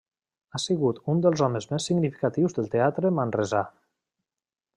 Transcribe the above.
Ha sigut un dels homes més significatius del teatre manresà.